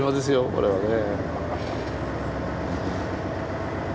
これはね。